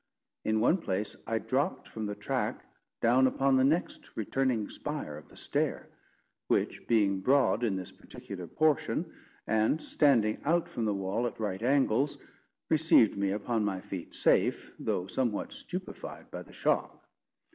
In one place, I dropped from the track down upon the next returning spire of the stair; which being broad in this particular portion, and standing out from the wall at right angles, received me upon my feet safe, though somewhat stupefied by the shock.